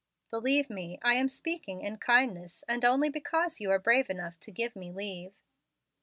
"Believe me, I am speaking in kindness, and only because you are brave enough to give me leave.